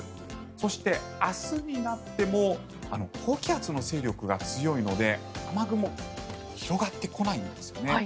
そして、明日になっても高気圧の勢力が強いので雨雲広がってこないんですよね。